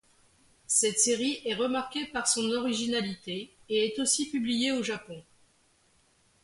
Cette série est remarquée par son originalité, et est aussi publiée au Japon.